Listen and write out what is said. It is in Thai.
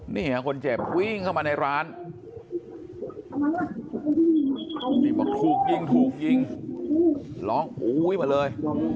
นี่ค่ะคนเจ็บวิ่งเข้ามาในร้านนี่บอกถูกยิงถูกยิงร้องอุ้ยมาเลย